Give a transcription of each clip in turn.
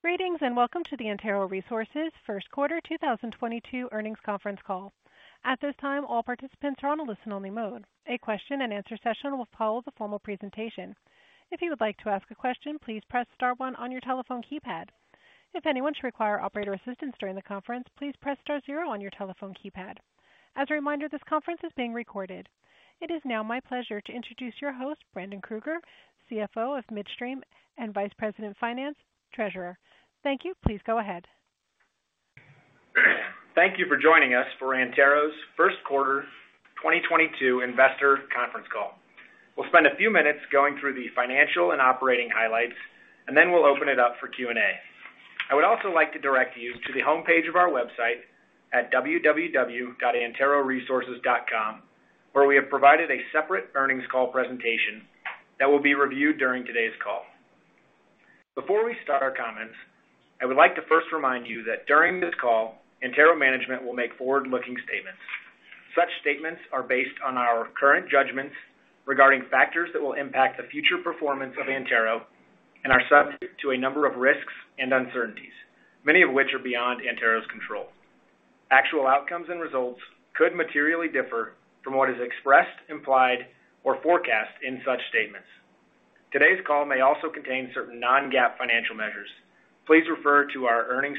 Greetings, and welcome to the Antero Resources first quarter 2022 earnings conference call. At this time, all participants are on a listen-only mode. A question-and-answer session will follow the formal presentation. If you would like to ask a question, please press star one on your telephone keypad. If anyone should require operator assistance during the conference, please press star zero on your telephone keypad. As a reminder, this conference is being recorded. It is now my pleasure to introduce your host, Brendan Krueger, CFO of Midstream and Vice President of Finance, Treasurer. Thank you. Please go ahead. Thank you for joining us for Antero's first quarter 2022 investor conference call. We'll spend a few minutes going through the financial and operating highlights, and then we'll open it up for Q&A. I would also like to direct you to the homepage of our website at www.anteroresources.com, where we have provided a separate earnings call presentation that will be reviewed during today's call. Before we start our comments, I would like to first remind you that during this call, Antero management will make forward-looking statements. Such statements are based on our current judgments regarding factors that will impact the future performance of Antero and are subject to a number of risks and uncertainties, many of which are beyond Antero's control. Actual outcomes and results could materially differ from what is expressed, implied, or forecast in such statements. Today's call may also contain certain non-GAAP financial measures. Please refer to our earnings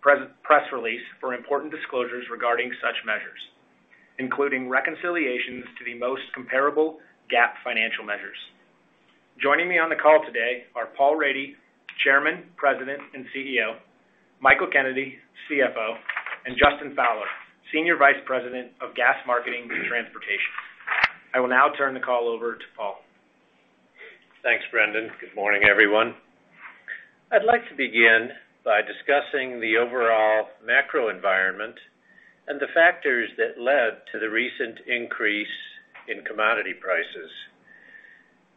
press release for important disclosures regarding such measures, including reconciliations to the most comparable GAAP financial measures. Joining me on the call today are Paul Rady, Chairman, President, and CEO, Michael Kennedy, CFO, and Justin Fowler, Senior Vice President of Gas Marketing and Transportation. I will now turn the call over to Paul. Thanks, Brendan. Good morning, everyone. I'd like to begin by discussing the overall macro environment and the factors that led to the recent increase in commodity prices.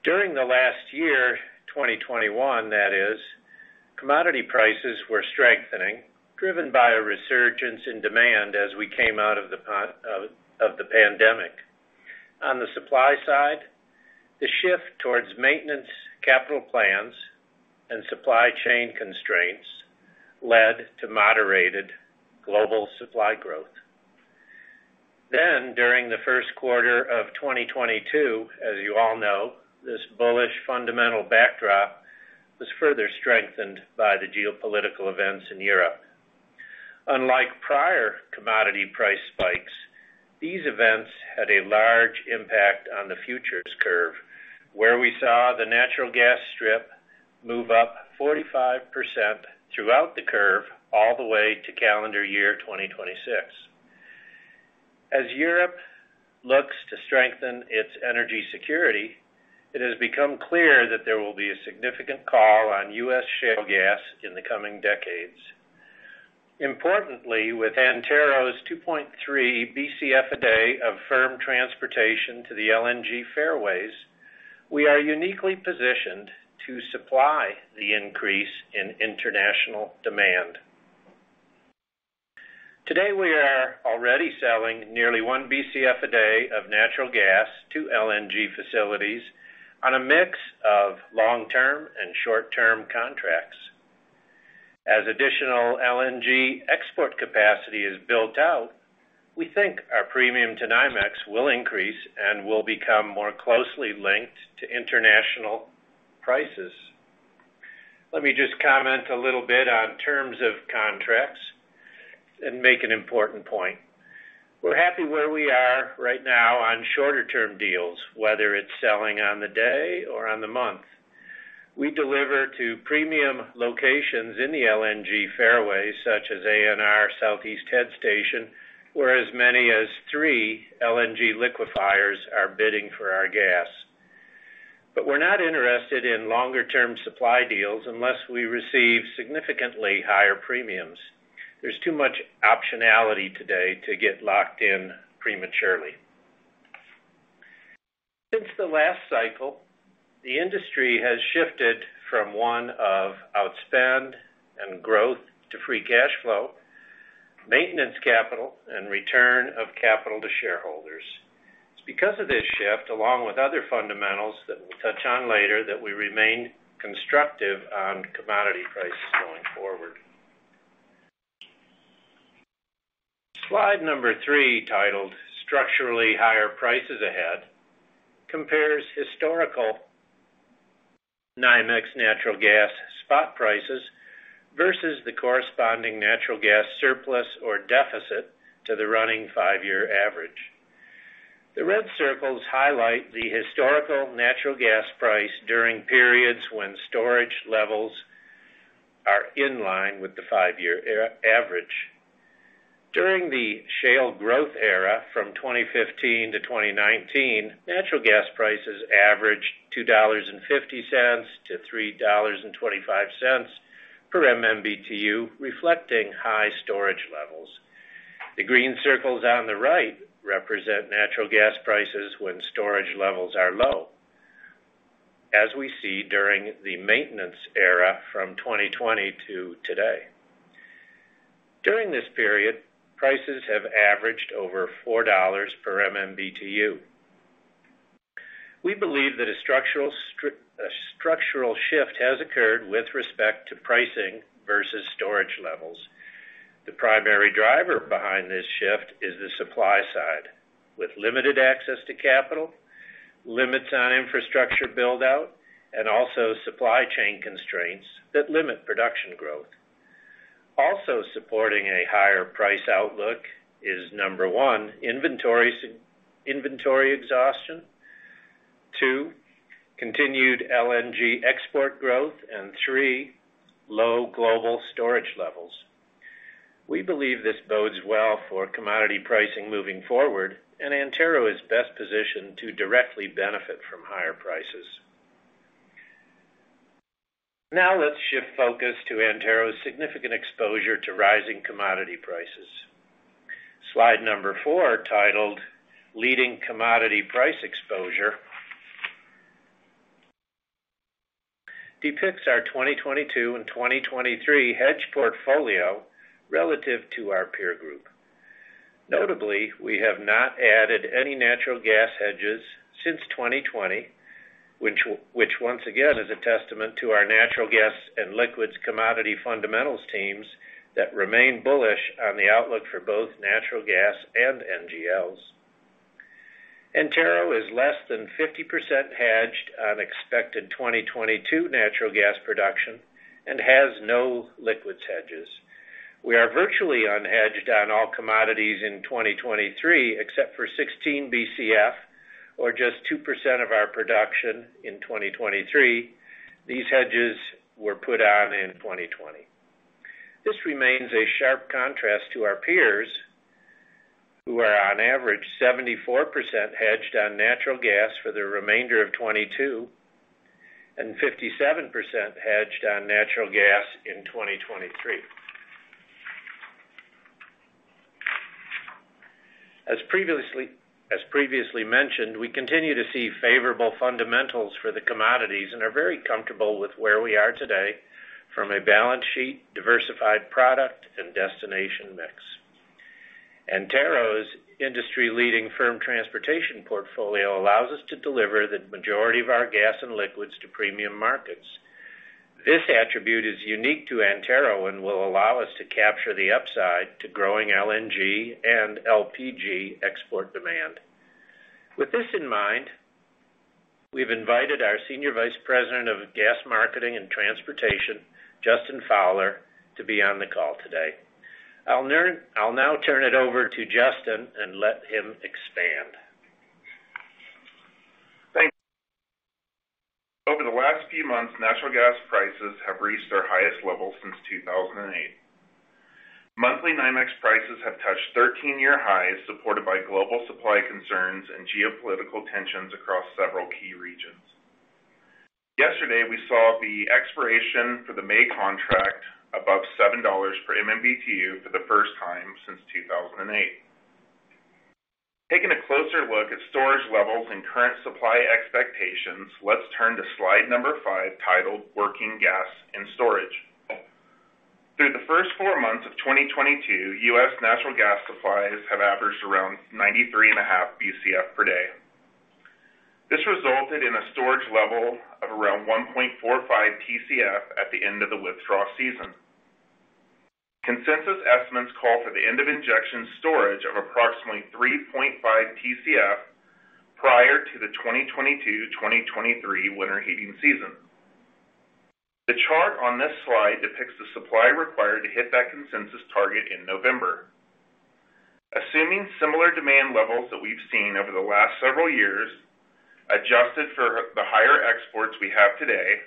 During the last year, 2021 that is, commodity prices were strengthening, driven by a resurgence in demand as we came out of the pandemic. On the supply side, the shift towards maintenance capital plans and supply chain constraints led to moderated global supply growth. During the first quarter of 2022, as you all know, this bullish fundamental backdrop was further strengthened by the geopolitical events in Europe. Unlike prior commodity price spikes, these events had a large impact on the futures curve, where we saw the natural gas strip move up 45% throughout the curve all the way to calendar year 2026. As Europe looks to strengthen its energy security, it has become clear that there will be a significant call on US shale gas in the coming decades. Importantly, with Antero's 2.3 Bcf a day of firm transportation to the LNG fairways, we are uniquely positioned to supply the increase in international demand. Today, we are already selling nearly 1 Bcf a day of natural gas to LNG facilities on a mix of long-term and short-term contracts. As additional LNG export capacity is built out, we think our premium to NYMEX will increase and will become more closely linked to international prices. Let me just comment a little bit on terms of contracts and make an important point. We're happy where we are right now on shorter-term deals, whether it's selling on the day or on the month. We deliver to premium locations in the LNG fairway, such as ANR Southeast Head Station, where as many as three LNG liquefiers are bidding for our gas. We're not interested in longer-term supply deals unless we receive significantly higher premiums. There's too much optionality today to get locked in prematurely. Since the last cycle, the industry has shifted from one of outspend and growth to free cash flow, maintenance capital, and return of capital to shareholders. It's because of this shift, along with other fundamentals that we'll touch on later, that we remain constructive on commodity prices going forward. Slide number three, titled Structurally Higher Prices Ahead, compares historical NYMEX natural gas spot prices versus the corresponding natural gas surplus or deficit to the running five-year average. The red circles highlight the historical natural gas price during periods when storage levels are in line with the five-year average. During the shale growth era from 2015 to 2019, natural gas prices averaged $2.50-$3.25 per MMBtu, reflecting high storage levels. The green circles on the right represent natural gas prices when storage levels are low, as we see during the maintenance era from 2020 to today. Prices have averaged over $4 per MMBtu. We believe that a structural shift has occurred with respect to pricing versus storage levels. The primary driver behind this shift is the supply side, with limited access to capital, limits on infrastructure build-out, and also supply chain constraints that limit production growth. Also supporting a higher price outlook is, number one, inventory exhaustion, two, continued LNG export growth, and three, low global storage levels. We believe this bodes well for commodity pricing moving forward, and Antero is best positioned to directly benefit from higher prices. Now let's shift focus to Antero's significant exposure to rising commodity prices. Slide 4, titled "Leading Commodity Price Exposure," depicts our 2022 and 2023 hedge portfolio relative to our peer group. Notably, we have not added any natural gas hedges since 2020, which once again is a testament to our natural gas and liquids commodity fundamentals teams that remain bullish on the outlook for both natural gas and NGLs. Antero is less than 50% hedged on expected 2022 natural gas production and has no liquids hedges. We are virtually unhedged on all commodities in 2023, except for 16 Bcf, or just 2% of our production in 2023. These hedges were put on in 2020. This remains a sharp contrast to our peers, who are on average 74% hedged on natural gas for the remainder of 2022 and 57% hedged on natural gas in 2023. As previously mentioned, we continue to see favorable fundamentals for the commodities and are very comfortable with where we are today from a balance sheet, diversified product, and destination mix. Antero's industry-leading firm transportation portfolio allows us to deliver the majority of our gas and liquids to premium markets. This attribute is unique to Antero and will allow us to capture the upside to growing LNG and LPG export demand. With this in mind, we've invited our Senior Vice President of Gas Marketing and Transportation, Justin Fowler, to be on the call today. I'll now turn it over to Justin and let him expand. Thanks. Over the last few months, natural gas prices have reached their highest level since 2008. Monthly NYMEX prices have touched 13-year highs, supported by global supply concerns and geopolitical tensions across several key regions. Yesterday, we saw the expiration for the May contract above $7 per MMBtu for the first time since 2008. Taking a closer look at storage levels and current supply expectations, let's turn to slide number 5, titled, "Working Gas in Storage." Through the first 4 months of 2022, U.S. natural gas supplies have averaged around 93.5 Bcf per day. This resulted in a storage level of around 1.45 Tcf at the end of the withdrawal season. Consensus estimates call for the end of injection storage of approximately 3.5 Tcf prior to the 2022-2023 winter heating season. The chart on this slide depicts the supply required to hit that consensus target in November. Assuming similar demand levels that we've seen over the last several years, adjusted for the higher exports we have today,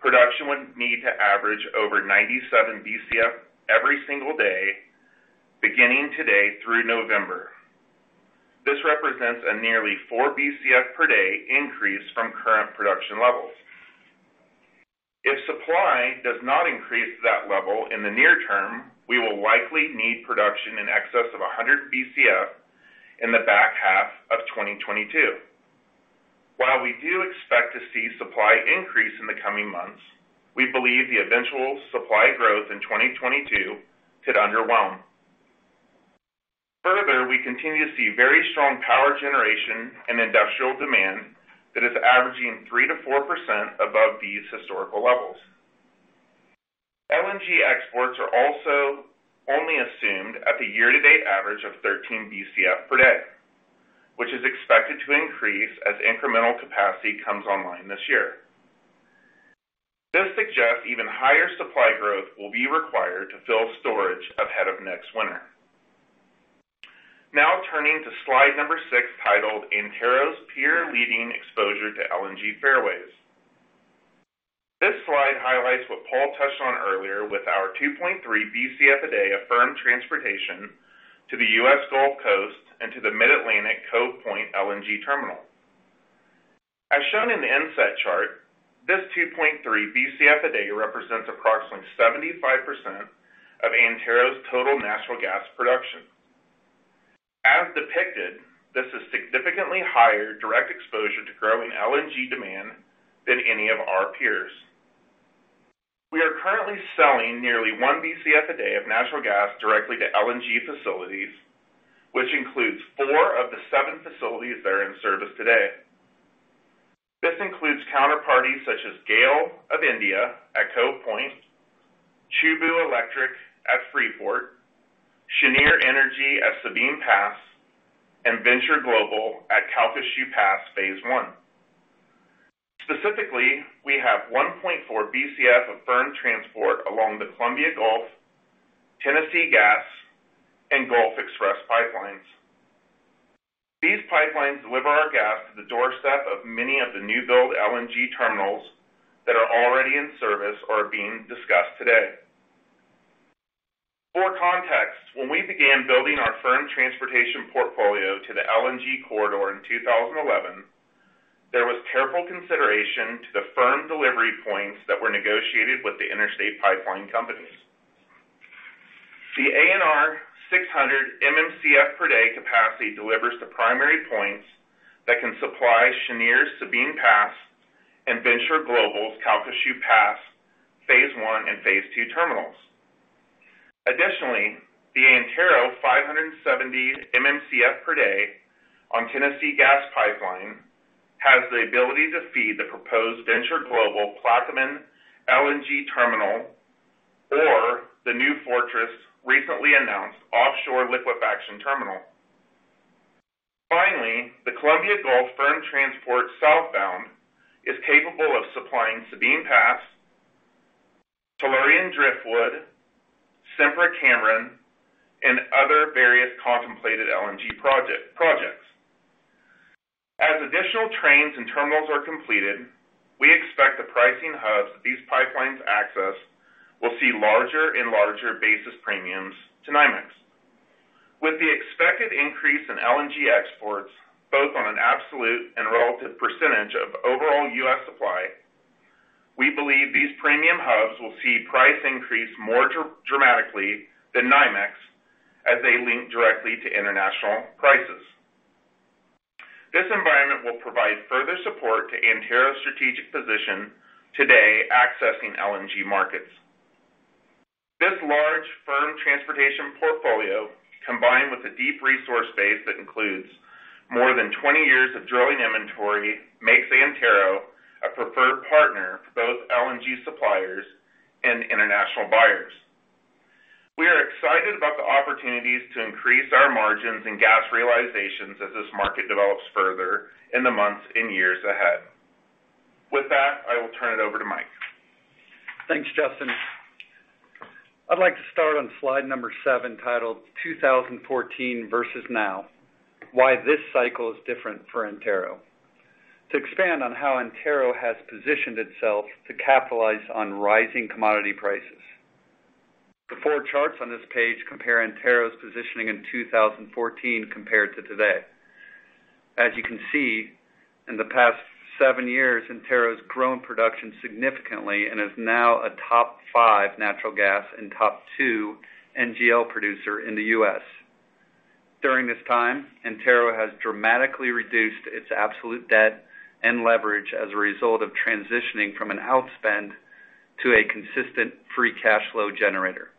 production would need to average over 97 Bcf every single day, beginning today through November. This represents a nearly 4 Bcf per day increase from current production levels. If supply does not increase to that level in the near term, we will likely need production in excess of 100 Bcf in the back half of 2022. While we do expect to see supply increase in the coming months, we believe the eventual supply growth in 2022 could underwhelm. Further, we continue to see very strong power generation and industrial demand that is averaging 3%-4% above these historical levels. LNG exports are also only assumed at the year-to-date average of 13 Bcf per day, which is expected to increase as incremental capacity comes online this year. This suggests even higher supply growth will be required to fill storage ahead of next winter. Now turning to slide number 6, titled, "Antero's Peer-Leading Exposure to LNG Fairways." This slide highlights what Paul touched on earlier with our 2.3 Bcf a day firm transportation to the U.S. Gulf Coast and to the Mid-Atlantic Cove Point LNG Terminal. As shown in the inset chart, this 2.3 Bcf a day represents approximately 75% of Antero's total natural gas production. As depicted, this is significantly higher direct exposure to growing LNG demand than any of our peers. We are currently selling nearly 1 Bcf a day of natural gas directly to LNG facilities, which includes 4 of the 7 facilities that are in service today. This includes counterparties such as GAIL of India at Cove Point, Chubu Electric at Freeport, Cheniere Energy at Sabine Pass, and Venture Global at Calcasieu Pass, Phase One. Specifically, we have 1.4 Bcf of firm transport along the Columbia Gulf, Tennessee Gas, and Gulf XPress pipelines. These pipelines deliver our gas to the doorstep of many of the new build LNG terminals that are already in service or are being discussed today. For context, when we began building our firm transportation portfolio to the LNG corridor in 2011, there was careful consideration to the firm delivery points that were negotiated with the interstate pipeline companies. The ANR 600 MMcf per day capacity delivers the primary points that can supply Cheniere's Sabine Pass and Venture Global's Calcasieu Pass, Phase One and Phase Two terminals. Additionally, the Antero's 570 MMcf per day on Tennessee Gas Pipeline has the ability to feed the proposed Venture Global Plaquemines LNG Terminal or the New Fortress Energy recently announced offshore liquefaction terminal. Finally, the Columbia Gulf firm transport southbound is capable of supplying Sabine Pass, Tellurian Driftwood, Sempra Cameron, and other various contemplated LNG projects. As additional trains and terminals are completed, we expect the pricing hubs these pipelines access will see larger and larger basis premiums to NYMEX. With the expected increase in LNG exports, both on an absolute and relative percentage of overall U.S. supply, we believe these premium hubs will see price increase more dramatically than NYMEX as they link directly to international prices. This environment will provide further support to Antero's strategic position today accessing LNG markets. This large firm transportation portfolio, combined with a deep resource base that includes more than 20 years of drilling inventory, makes Antero a preferred partner for both LNG suppliers and international buyers. We are excited about the opportunities to increase our margins and gas realizations as this market develops further in the months and years ahead. With that, I will turn it over to Mike. Thanks, Justin. I'd like to start on slide number 7, titled 2014 versus now, why this cycle is different for Antero, to expand on how Antero has positioned itself to capitalize on rising commodity prices. The 4 charts on this page compare Antero's positioning in 2014 compared to today. As you can see, in the past 7 years, Antero's grown production significantly and is now a top 5 natural gas and top 2 NGL producer in the U.S. During this time, Antero has dramatically reduced its absolute debt and leverage as a result of transitioning from an outspend to a consistent free cash flow generator.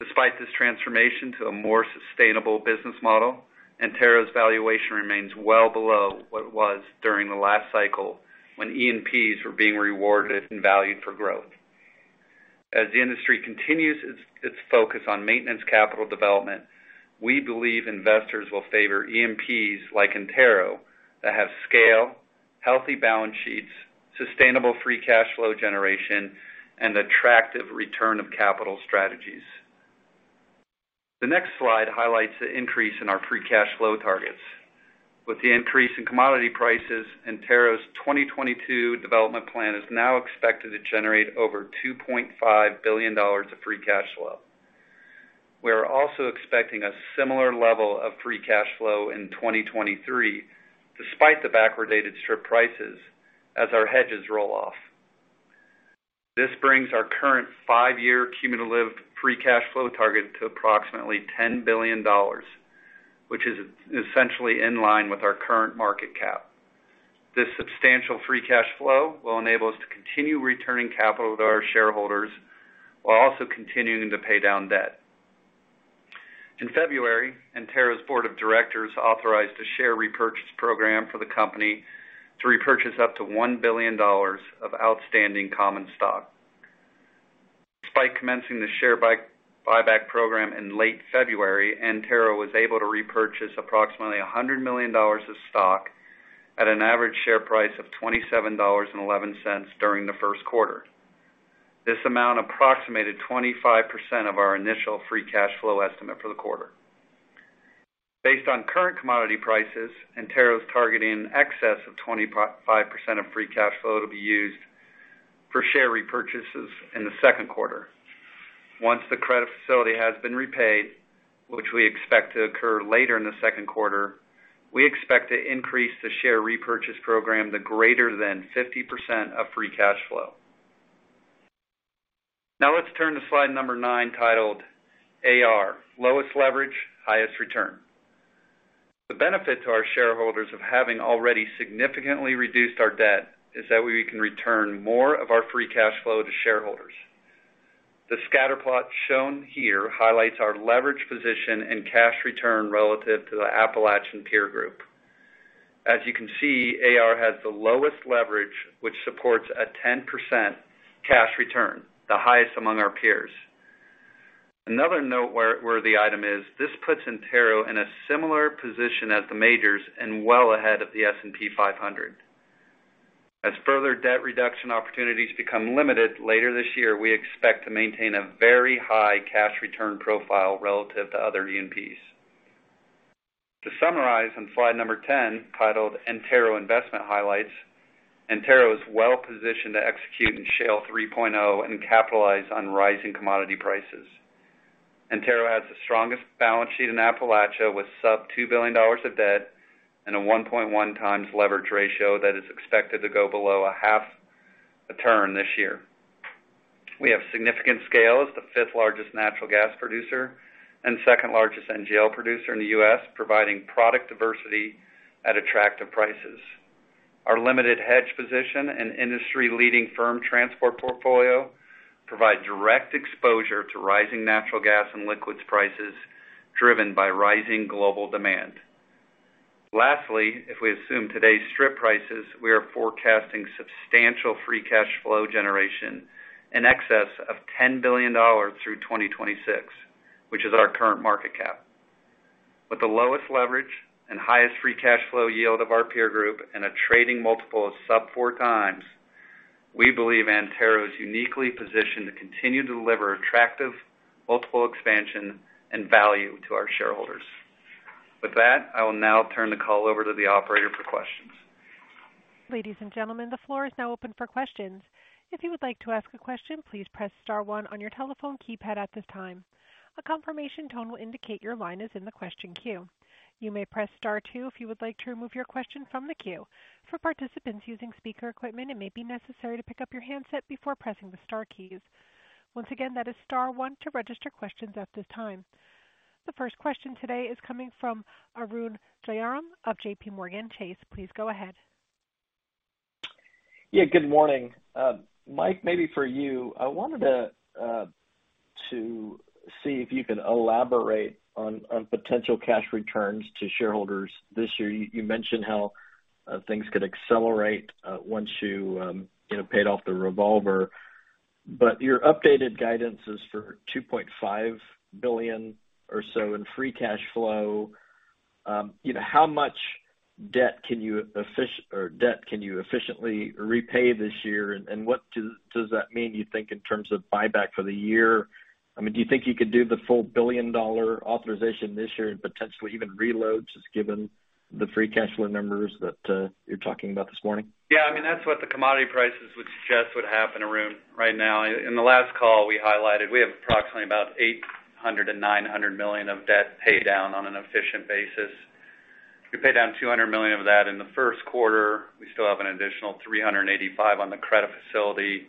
Despite this transformation to a more sustainable business model, Antero's valuation remains well below what it was during the last cycle when E&Ps were being rewarded and valued for growth. As the industry continues its focus on maintenance capital development, we believe investors will favor E&Ps like Antero that have scale, healthy balance sheets, sustainable free cash flow generation, and attractive return of capital strategies. The next slide highlights the increase in our free cash flow targets. With the increase in commodity prices, Antero's 2022 development plan is now expected to generate over $2.5 billion of free cash flow. We are also expecting a similar level of free cash flow in 2023, despite the backwardated strip prices as our hedges roll off. This brings our current five-year cumulative free cash flow target to approximately $10 billion, which is essentially in line with our current market cap. This substantial free cash flow will enable us to continue returning capital to our shareholders while also continuing to pay down debt. In February, Antero's board of directors authorized a share repurchase program for the company to repurchase up to $1 billion of outstanding common stock. Despite commencing the share buyback program in late February, Antero was able to repurchase approximately $100 million of stock at an average share price of $27.11 during the first quarter. This amount approximated 25% of our initial free cash flow estimate for the quarter. Based on current commodity prices, Antero's targeting excess of 25% of free cash flow to be used for share repurchases in the second quarter. Once the credit facility has been repaid, which we expect to occur later in the second quarter, we expect to increase the share repurchase program to greater than 50% of free cash flow. Now let's turn to slide 9 titled AR: Lowest Leverage, Highest Return. The benefit to our shareholders of having already significantly reduced our debt is that we can return more of our free cash flow to shareholders. The scatter plot shown here highlights our leverage position and cash return relative to the Appalachian peer group. As you can see, AR has the lowest leverage, which supports a 10% cash return, the highest among our peers. Another noteworthy item is this puts Antero in a similar position as the majors and well ahead of the S&P 500. As further debt reduction opportunities become limited later this year, we expect to maintain a very high cash return profile relative to other E&Ps. To summarize on slide number 10, titled Antero Investment Highlights. Antero is well-positioned to execute in Shale 3.0 and capitalize on rising commodity prices. Antero has the strongest balance sheet in Appalachia, with sub $2 billion of debt and a 1.1x leverage ratio that is expected to go below 0.5x this year. We have significant scale as the 5th-largest natural gas producer and 2nd-largest NGL producer in the U.S., providing product diversity at attractive prices. Our limited hedge position and industry-leading firm transport portfolio provide direct exposure to rising natural gas and liquids prices, driven by rising global demand. Lastly, if we assume today's strip prices, we are forecasting substantial free cash flow generation in excess of $10 billion through 2026, which is our current market cap. With the lowest leverage and highest free cash flow yield of our peer group and a trading multiple of sub 4x, we believe Antero is uniquely positioned to continue to deliver attractive multiple expansion and value to our shareholders. With that, I will now turn the call over to the operator for questions. Ladies and gentlemen, the floor is now open for questions. If you would like to ask a question, please press star one on your telephone keypad at this time. A confirmation tone will indicate your line is in the question queue. You may press star two if you would like to remove your question from the queue. For participants using speaker equipment, it may be necessary to pick up your handset before pressing the star keys. Once again, that is star one to register questions at this time. The first question today is coming from Arun Jayaram of JPMorgan Chase. Please go ahead. Yeah, good morning. Mike, maybe for you. I wanted to see if you can elaborate on potential cash returns to shareholders this year. You mentioned how things could accelerate once you know, paid off the revolver. But your updated guidance is for $2.5 billion or so in free cash flow. You know, how much debt can you efficiently repay this year? And what does that mean you think in terms of buyback for the year? I mean, do you think you could do the full $1 billion authorization this year and potentially even reload, just given the free cash flow numbers that you're talking about this morning? Yeah, I mean, that's what the commodity prices would suggest would happen, Arun, right now. In the last call we highlighted, we have approximately about $800 million-$900 million of debt paydown on an efficient basis. We paid down $200 million of that in the first quarter. We still have an additional $385 million on the credit facility,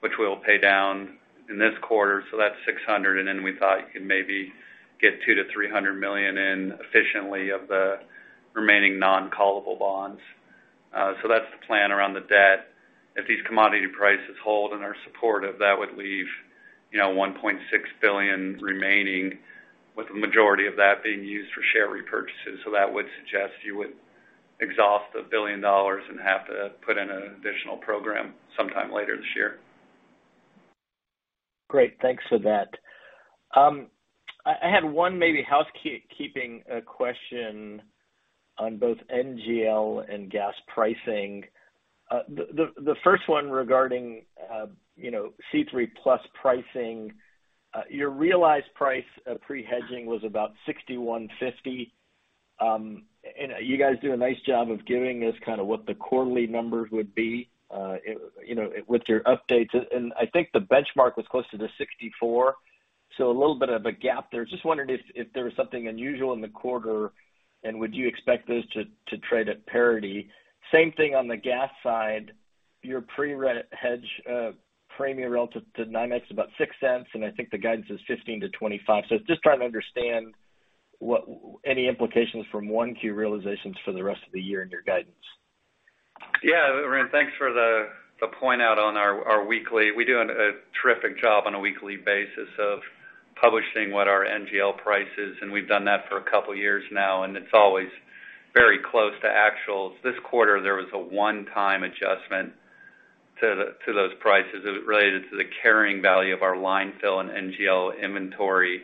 which we'll pay down in this quarter, so that's $600 million. And then we thought you could maybe get $200 million-$300 million in efficiently of the remaining non-callable bonds. So that's the plan around the debt. If these commodity prices hold and are supportive, that would leave, you know, $1.6 billion remaining, with the majority of that being used for share repurchases. that would suggest you would exhaust $1 billion and have to put in an additional program sometime later this year. Great. Thanks for that. I had one maybe housekeeping question on both NGL and gas pricing. The first one regarding, you know, C3+ pricing. Your realized price pre-hedging was about $61.50. You guys do a nice job of giving us kind of what the quarterly numbers would be, you know, with your updates. I think the benchmark was closer to $64. A little bit of a gap there. Just wondering if there was something unusual in the quarter, and would you expect those to trade at parity? Same thing on the gas side. Your pre-hedged premium relative to NYMEX is about $0.06, and I think the guidance is $0.15-$0.25. Just trying to understand any implications from Q1 realizations for the rest of the year in your guidance? Yeah, Arun, thanks for the point out on our weekly. We do a terrific job on a weekly basis of publishing what our NGL price is, and we've done that for a couple years now, and it's always very close to actuals. This quarter, there was a one-time adjustment to those prices related to the carrying value of our line fill and NGL inventory.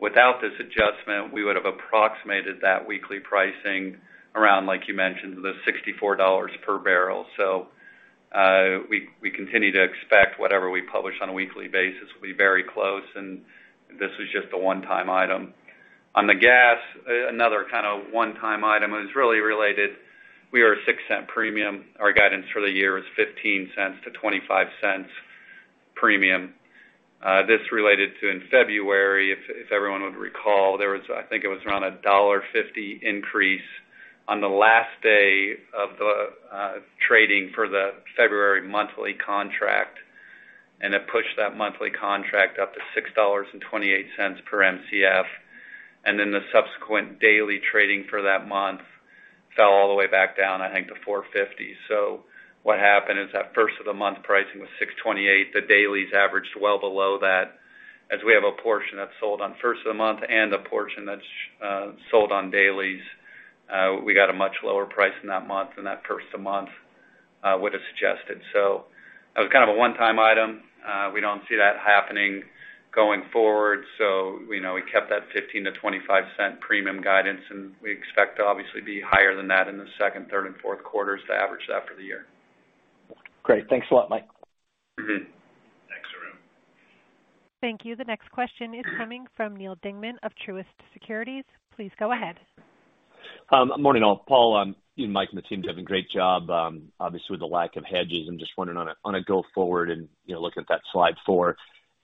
Without this adjustment, we would have approximated that weekly pricing around, like you mentioned, $64 per barrel. So, we continue to expect whatever we publish on a weekly basis will be very close, and this was just a one-time item. On the gas, another kind of one-time item. It was really related we are a $0.06 premium. Our guidance for the year is $0.15-$0.25 premium. This related to in February, if everyone would recall, there was, I think it was, around a $1.50 increase. On the last day of the trading for the February monthly contract, it pushed that monthly contract up to $6.28 per Mcf. Then the subsequent daily trading for that month fell all the way back down, I think, to $4.50. What happened is that first of the month pricing was $6.28. The dailies averaged well below that. As we have a portion that's sold on first of the month and a portion that's sold on dailies, we got a much lower price in that month than that first of month would have suggested. That was kind of a one-time item. We don't see that happening going forward. You know, we kept that $0.15-$0.25 premium guidance, and we expect to obviously be higher than that in the second, third, and fourth quarters to average that for the year. Great. Thanks a lot, Mike. Mm-hmm. Thanks, Arun. Thank you. The next question is coming from Neal Dingmann of Truist Securities. Please go ahead. Morning, all. Paul, you and Mike and the team's doing a great job, obviously with the lack of hedges. I'm just wondering on a go forward and, you know, looking at that slide four,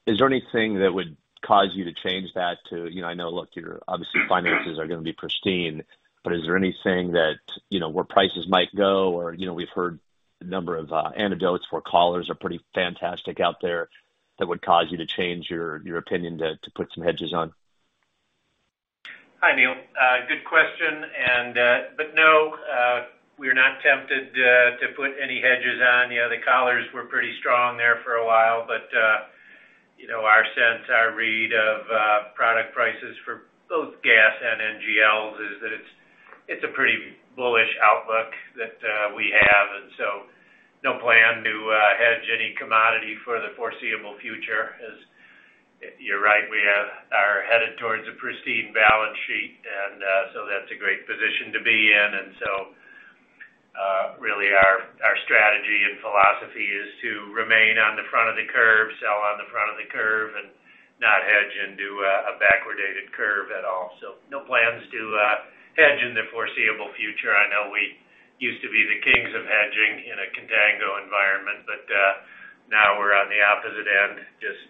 is there anything that would cause you to change that. You know, I know, look, your obviously finances are gonna be pristine, but is there anything that, you know, where prices might go or, you know, we've heard a number of anecdotes where collars are pretty fantastic out there that would cause you to change your opinion to put some hedges on? Hi, Neal. Good question. No, we're not tempted to put any hedges on. You know, the collars were pretty strong there for a while. You know, our sense, our read of product prices for both gas and NGLs is that it's a pretty bullish outlook that we have. No plan to hedge any commodity for the foreseeable future. As you're right, we are headed towards a pristine balance sheet. That's a great position to be in. Really, our strategy and philosophy is to remain on the front of the curve, sell on the front of the curve, and not hedge into a backwardated curve at all. No plans to hedge in the foreseeable future. I know we used to be the kings of hedging in a contango environment, but now we're on the opposite end, just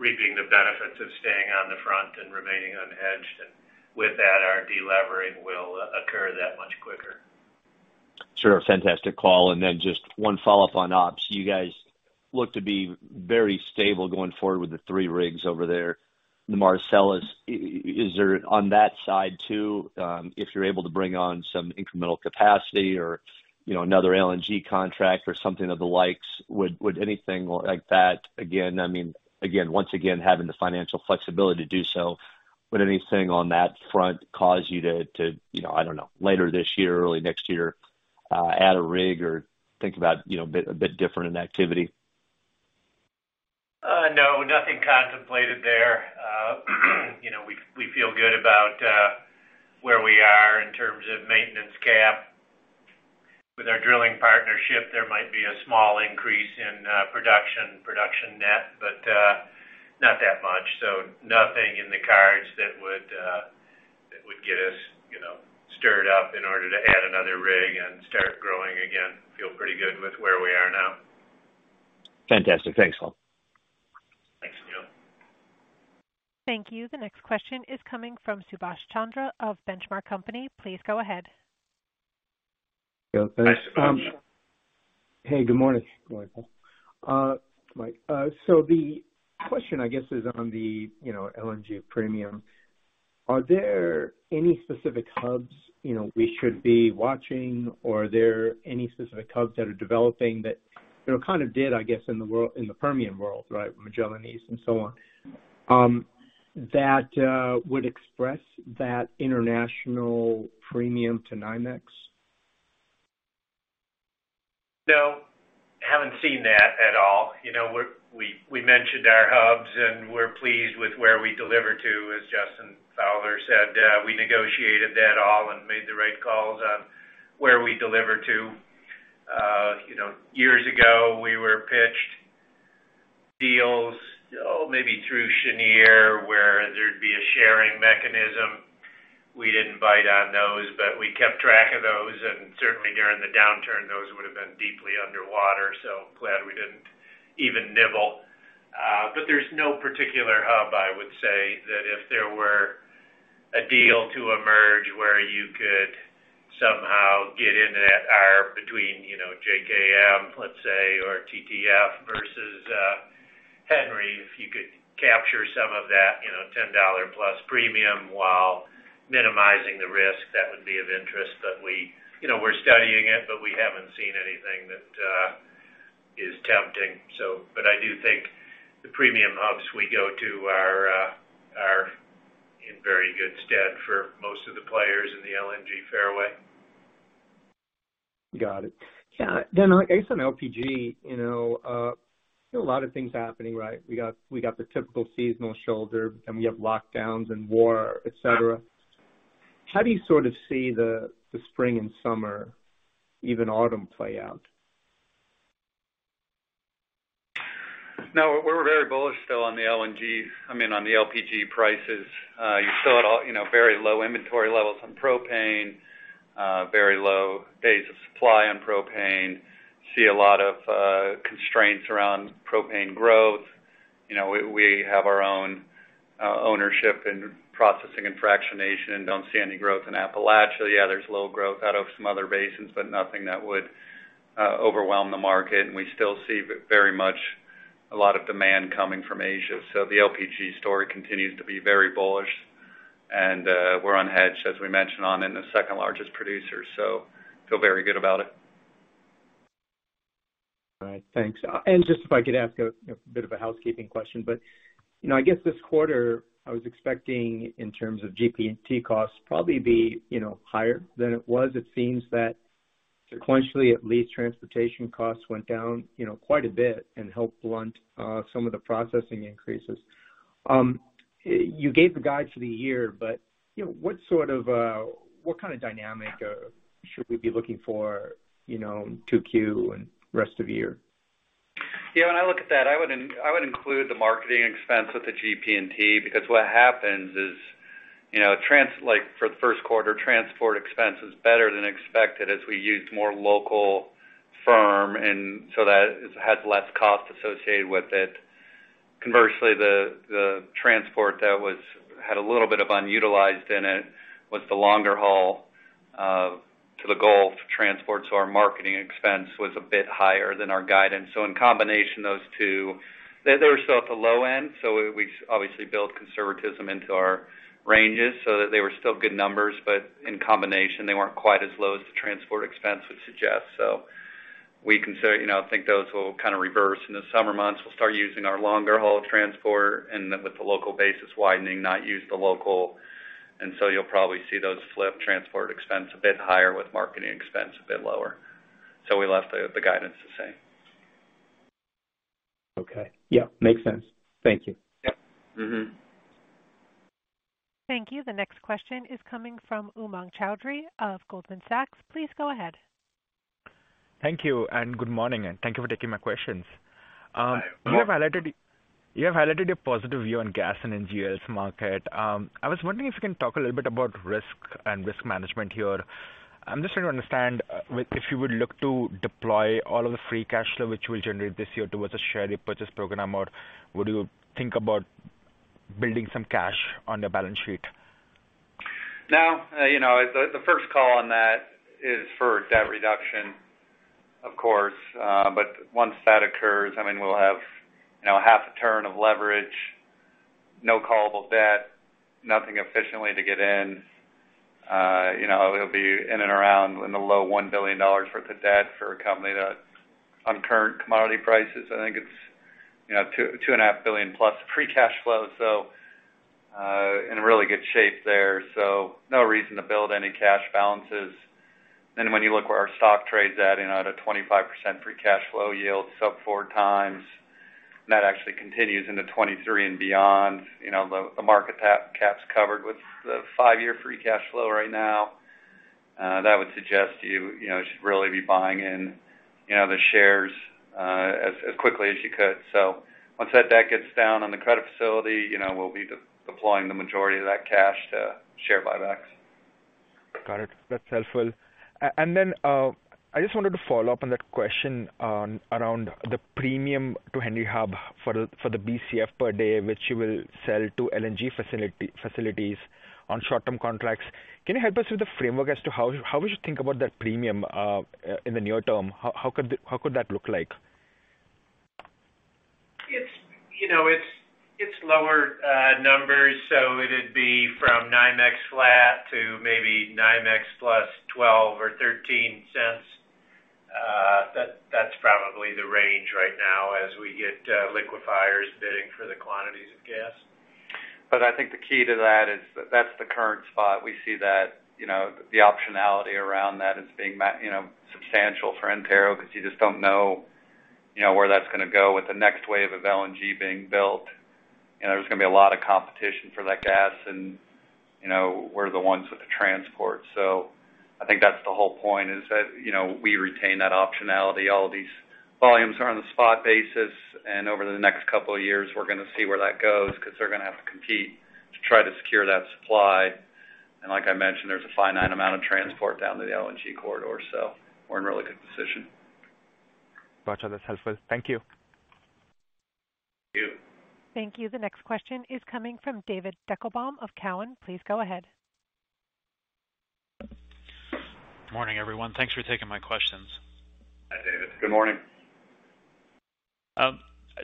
reaping the benefits of staying on the front and remaining unhedged. With that, our delevering will occur that much quicker. Sure. Fantastic call. Then just one follow-up on ops. You guys look to be very stable going forward with the 3 rigs over there. The Marcellus, is there on that side too, if you're able to bring on some incremental capacity or, you know, another LNG contract or something of the likes, would anything like that again, I mean, again, once again, having the financial flexibility to do so, would anything on that front cause you to, you know, I don't know, later this year or early next year, add a rig or think about, you know, a bit different in activity? No, nothing contemplated there. You know, we feel good about where we are in terms of maintenance cap. With our drilling partnership, there might be a small increase in production net, but not that much, so nothing in the cards that would get us, you know, stirred up in order to add another rig and start growing again. Feel pretty good with where we are now. Fantastic. Thanks, all. Thanks, Neal. Thank you. The next question is coming from Subash Chandra of Benchmark Company. Please go ahead. Yeah, thanks. Hey, good morning, Michael. So, the question, I guess, is on the, you know, LNG premium. Are there any specific hubs, you know, we should be watching or are there any specific hubs that are developing that, you know, kind of did, I guess, in the Permian world, right, Magellan East and so on, that would express that international premium to NYMEX? No, haven't seen that at all. You know, we mentioned our hubs, and we're pleased with where we deliver to. As Justin Fowler said, we negotiated that all and made the right calls on where we deliver to. You know, years ago, we were pitched deals, oh, maybe through Cheniere, where there'd be a sharing mechanism. We didn't bite on those, but we kept track of those. Certainly during the downturn, those would have been deeply underwater, so glad we didn't even nibble. There's no particular hub, I would say, that if there were a deal to emerge where you could somehow get into that arb between, you know, JKM, let's say, or TTF versus, Henry, if you could capture some of that, you know, 10-dollar plus premium while minimizing the risk, that would be of interest. We... You know, we're studying it, but we haven't seen anything that is tempting, so. I do think the premium hubs we go to are in very good stead for most of the players in the LNG fairway. Got it. Yeah. I guess on LPG, you know, there are a lot of things happening, right? We got the typical seasonal shoulder, and we have lockdowns and war, et cetera. How do you sort of see the spring and summer, even autumn play out? No, we're very bullish still on the LNG, I mean, on the LPG prices. You saw it all, you know, very low inventory levels on propane, very low days of supply on propane. See a lot of constraints around propane growth. We have our own ownership in processing and fractionation, and don't see any growth in Appalachia. Yeah, there's a little growth out of some other basins, but nothing that would overwhelm the market. We still see very much a lot of demand coming from Asia. The LPG story continues to be very bullish, and we're unhedged, as we mentioned, being the second-largest producer, so feel very good about it. All right. Thanks. Just if I could ask a bit of a housekeeping question, but you know, I guess this quarter, I was expecting in terms of GP&T costs probably be you know higher than it was. It seems that sequentially, at least, transportation costs went down, you know, quite a bit and helped blunt some of the processing increases. You gave the guide for the year, but you know, what kind of dynamic should we be looking for, you know, 2Q and rest of the year? Yeah, when I look at that, I would include the marketing expense with the GP&T, because what happens is, you know, like for the first quarter, transport expense is better than expected as we used more local firm, and so that has less cost associated with it. Conversely, the transport that had a little bit of unutilized in it was the longer haul to the Gulf transport. So our marketing expense was a bit higher than our guidance. So in combination, those two. They're still at the low end, so we obviously build conservatism into our ranges so that they were still good numbers, but in combination, they weren't quite as low as the transport expense would suggest. So we consider, you know, think those will kind of reverse. In the summer months, we'll start using our longer haul transport and with the local basis widening, not use the local. You'll probably see those flip transport expense a bit higher with marketing expense a bit lower. We left the guidance the same. Okay. Yeah, makes sense. Thank you. Yeah. Mm-hmm. Thank you. The next question is coming from Umang Choudhary of Goldman Sachs. Please go ahead. Thank you, and good morning, and thank you for taking my questions. Yeah. You have highlighted a positive view on gas and NGLs market. I was wondering if you can talk a little bit about risk and risk management here. I'm just trying to understand if you would look to deploy all of the free cash flow which you will generate this year towards a share repurchase program, or would you think about building some cash on your balance sheet? No. You know, the first call on that is for debt reduction, of course. Once that occurs, I mean, we'll have, you know, half a turn of leverage, no callable debt, nothing efficiently to get in. You know, it'll be in and around the low $1 billion worth of debt for a company that on current commodity prices, I think it's, you know, $2-$2.5 billion-plus free cash flow. In really good shape there, so no reason to build any cash balances. When you look where our stock trades at, you know, at a 25% free cash flow yield sub-4 times, and that actually continues into 2023 and beyond. You know, the market cap's covered with the five-year free cash flow right now. That would suggest you know, should really be buying in, you know, the shares as quickly as you could. Once that debt gets down on the credit facility, you know, we'll be de-deploying the majority of that cash to share buybacks. Got it. That's helpful. I just wanted to follow up on that question around the premium to Henry Hub for the Bcf per day, which you will sell to LNG facilities on short-term contracts. Can you help us with the framework as to how would you think about that premium in the near term? How could that look like? It's, you know, lower numbers, so it'd be from NYMEX flat to maybe NYMEX plus $0.12 or $0.13. That's probably the range right now as we get liquefiers bidding for the quantities of gas. I think the key to that is that's the current spot. We see that, you know, the optionality around that is being, you know, substantial for Antero because you just don't know, you know, where that's gonna go with the next wave of LNG being built. You know, there's gonna be a lot of competition for that gas and, you know, we're the ones with the transport. I think that's the whole point is that, you know, we retain that optionality. All of these volumes are on the spot basis, and over the next couple of years, we're gonna see where that goes because they're gonna have to compete to try to secure that supply. Like I mentioned, there's a finite amount of transport down to the LNG corridor, so we're in a really good position. Gotcha. That's helpful. Thank you. Thank you. Thank you. The next question is coming from David Deckelbaum of Cowen. Please go ahead. Morning, everyone. Thanks for taking my questions. Hi, David. Good morning.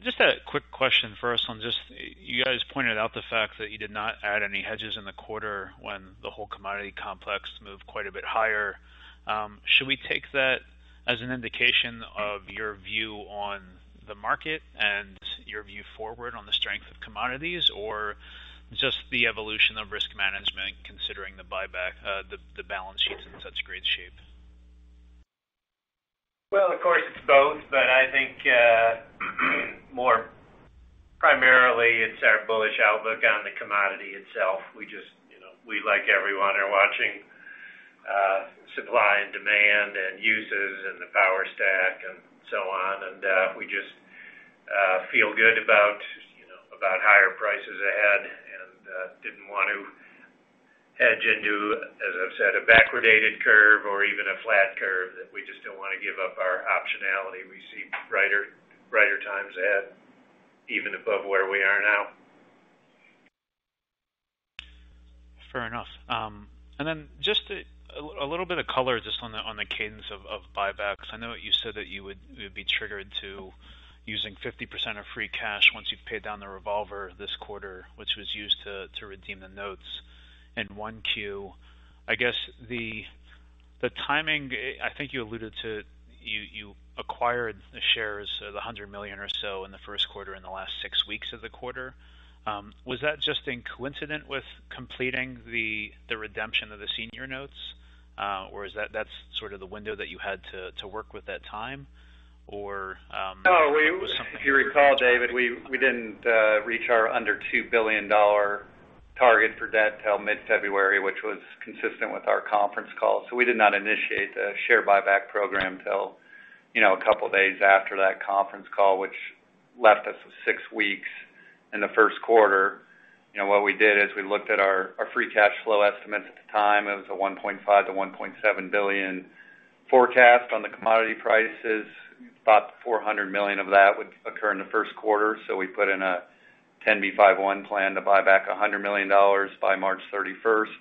Just a quick question first on just you guys pointed out the fact that you did not add any hedges in the quarter when the whole commodity complex moved quite a bit higher. Should we take that as an indication of your view on the market and your view forward on the strength of commodities or just the evolution of risk management considering the buyback, the balance sheet's in such great shape? Well, of course, it's both, but I think, more primarily it's our bullish outlook on the commodity itself. We just, you know, like everyone, are watching, supply and demand and uses and the power stack and so on. We just, feel good about, you know, about higher prices ahead and, didn't want to edge into, as I've said, a backwardated curve or even a flat curve that we just don't wanna give up our optionality. We see brighter times ahead, even above where we are now. Fair enough. Just a little bit of color just on the cadence of buyback. Because I know you said that you'd be triggered to using 50% of free cash once you've paid down the revolver this quarter, which was used to redeem the notes in 1Q. I guess the timing. I think you alluded to, you acquired the shares, the $100 million or so in the first quarter in the last six weeks of the quarter. Was that just coincident with completing the redemption of the senior notes? Or is that's sort of the window that you had to work with that time? Or No. If you recall, David, we didn't reach our under $2 billion target for debt till mid-February, which was consistent with our conference call. We did not initiate the share buyback program till, you know, a couple of days after that conference call, which left us with 6 weeks in the first quarter. You know, what we did is we looked at our free cash flow estimates at the time. It was a $1.5-$1.7 billion forecast on the commodity prices. About $400 million of that would occur in the first quarter. We put in a 10b5-1 plan to buy back $100 million by March thirty-first.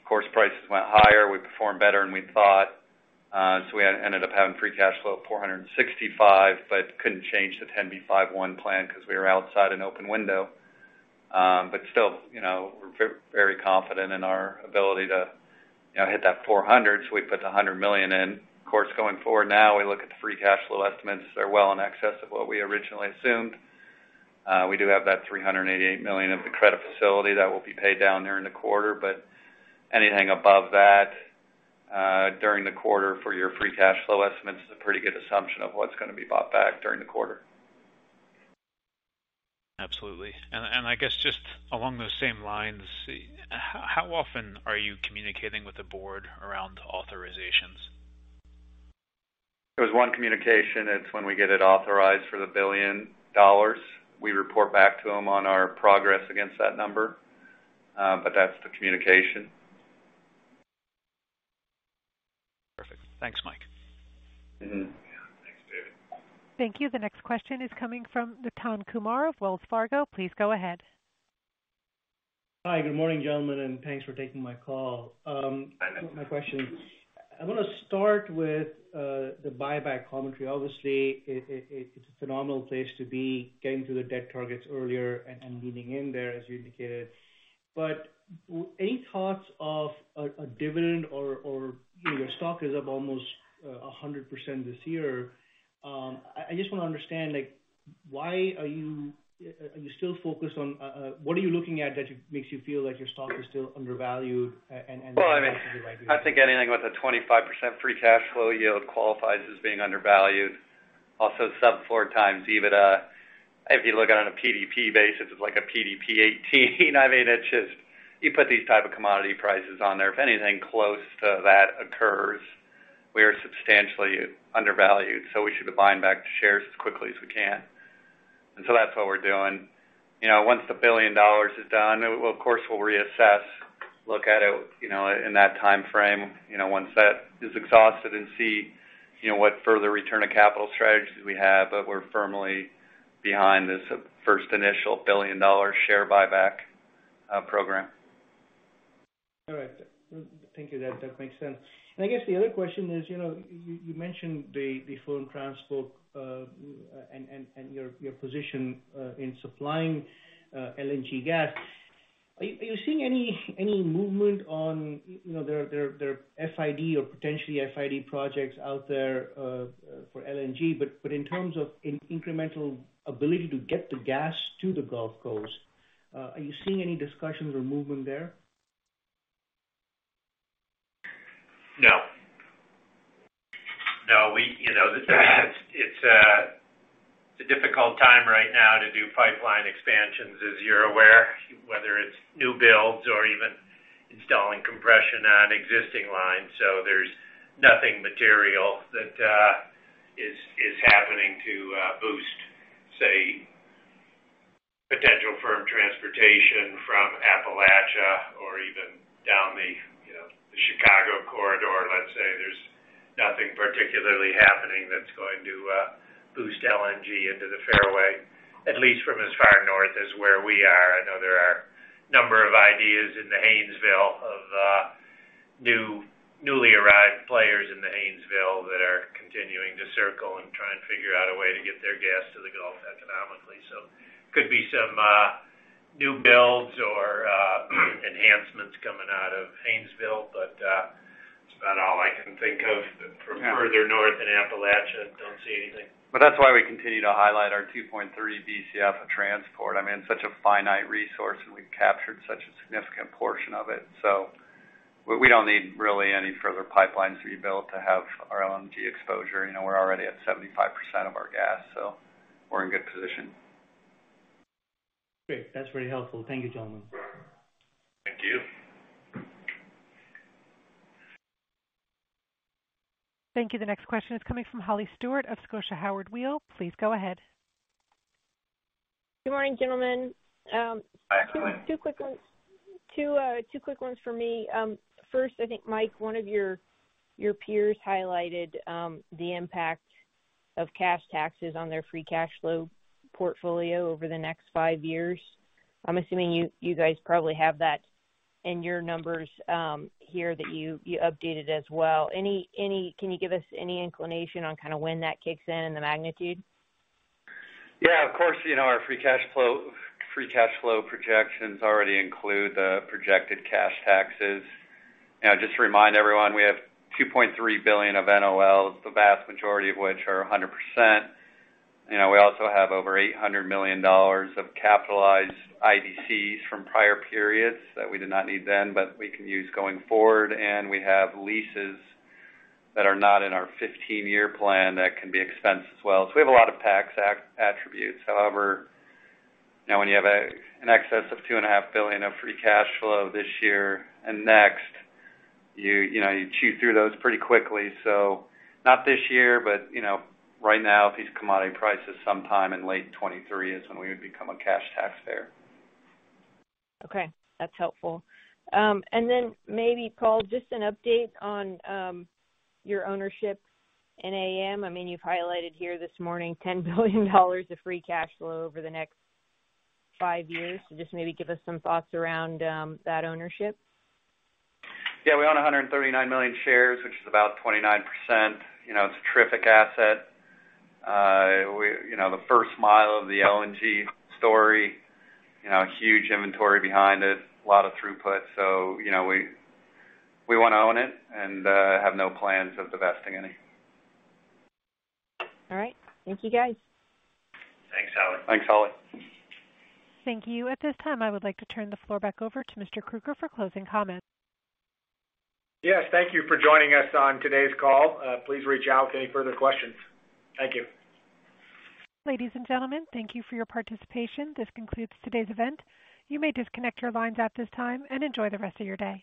Of course, prices went higher. We performed better than we thought, so we ended up having free cash flow of $465 million, but couldn't change the 10b5-1 plan 'cause we were outside an open window. Still, you know, we're very confident in our ability to, you know, hit that $400 million, so we put $100 million in. Of course, going forward now, we look at the free cash flow estimates. They're well in excess of what we originally assumed. We do have that $388 million of the credit facility that will be paid down during the quarter. Anything above that, during the quarter for your free cash flow estimates is a pretty good assumption of what's gonna be bought back during the quarter. Absolutely. I guess just along those same lines, how often are you communicating with the board around authorizations? There's one communication. It's when we get it authorized for the $1 billion. We report back to them on our progress against that number, but that's the communication. Perfect. Thanks, Mike. Yeah. Thanks, David. Thank you. The next question is coming from Nitin Kumar of Wells Fargo. Please go ahead. Hi. Good morning, gentlemen, and thanks for taking my call. My question, I wanna start with the buyback commentary. Obviously, it's a phenomenal place to be getting to the debt targets earlier and leaning in there as you indicated. Any thoughts of a dividend or, you know, your stock is up almost 100% this year. I just wanna understand, like, what are you looking at that makes you feel like your stock is still undervalued and Well, I mean, I think anything with a 25% free cash flow yield qualifies as being undervalued. Also sub 4x EBITDA. If you look at it on a PDP basis, it's like a PDP 18. I mean, it's just you put these type of commodity prices on there. If anything close to that occurs, we are substantially undervalued, so we should be buying back the shares as quickly as we can. That's what we're doing. You know, once the $1 billion is done, of course, we'll reassess, look at it, you know, in that timeframe, you know, once that is exhausted and see, you know, what further return of capital strategies we have. We're firmly behind this first initial $1 billion-dollar share buyback program. All right. Thank you. That makes sense. I guess the other question is, you mentioned the firm transport and your position in supplying LNG gas. Are you seeing any movement on their FID or potentially FID projects out there for LNG? In terms of incremental ability to get the gas to the Gulf Coast, are you seeing any discussions or movement there? No, you know, it's a difficult time right now to do pipeline expansions, as you're aware, whether it's new builds or even installing compression on existing lines. There's nothing material that is happening to boost, say, potential firm transportation from Appalachia or even down the, you know, the Chicago corridor, let's say. There's nothing particularly happening that's going to boost LNG into the fairway, at least from as far north as where we are. I know there are a number of ideas in the Haynesville of newly arrived players in the Haynesville that are continuing to circle and try and figure out a way to get their gas to the Gulf economically. Could be some new builds or enhancements coming out of Haynesville, but that's about all I can think of from further north in Appalachia. Don't see anything. That's why we continue to highlight our 2.3 Bcf of transport. I mean, it's such a finite resource, and we've captured such a significant portion of it. We don't need really any further pipelines to be built to have our LNG exposure. You know, we're already at 75% of our gas, so we're in good position. Great. That's very helpful. Thank you, gentlemen. Thank you. Thank you. The next question is coming from Holly Stewart of Scotia Howard Weil. Please go ahead. Good morning, gentlemen. Hi, Holly. Two quick ones for me. First, I think, Mike, one of your peers highlighted the impact of cash taxes on their free cash flow portfolio over the next five years. I'm assuming you guys probably have that in your numbers here that you updated as well. Can you give us any inclination on kinda when that kicks in and the magnitude? Yeah, of course, you know, our free cash flow projections already include the projected cash taxes. You know, just to remind everyone, we have 2.3 billion of NOLs, the vast majority of which are 100%. You know, we also have over $800 million of capitalized IDCs from prior periods that we did not need then, but we can use going forward. We have leases that are not in our 15-year plan that can be expensed as well. We have a lot of tax attributes. However, you know, when you have an excess of 2.5 billion of free cash flow this year and next, you know, you chew through those pretty quickly. Not this year, but, you know, right now with these commodity prices, sometime in late 2023 is when we would become a cash taxpayer. Okay, that's helpful. Maybe, Paul, just an update on your ownership in AM. I mean, you've highlighted here this morning $10 billion of free cash flow over the next five years. Just maybe give us some thoughts around that ownership. Yeah. We own 139 million shares, which is about 29%. You know, it's a terrific asset. You know, the first mile of the LNG story, you know, huge inventory behind it, a lot of throughput. You know, we wanna own it and have no plans of divesting any. All right. Thank you, guys. Thanks, Holly. Thank you. At this time, I would like to turn the floor back over to Mr. Krueger for closing comments. Yes, thank you for joining us on today's call. Please reach out with any further questions. Thank you. Ladies and gentlemen, thank you for your participation. This concludes today's event. You may disconnect your lines at this time and enjoy the rest of your day.